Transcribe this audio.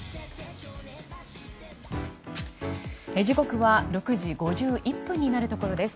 時刻は６時５１分になるところです。